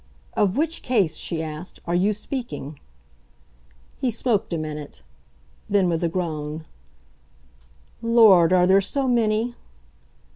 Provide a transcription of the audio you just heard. "Of which case," she asked, "are you speaking?" He smoked a minute: then with a groan: "Lord, are there so many?"